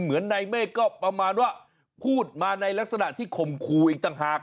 เหมือนในเมฆก็ประมาณว่าพูดมาในลักษณะที่ข่มขู่อีกต่างหาก